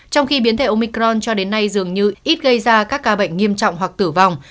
trong khi biến thể omicron cho đến nay dường như ít gây ra các ca bệnh nghiêm trọng hoặc tử vong